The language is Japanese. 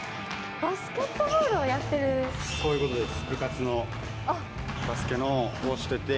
そういうことです。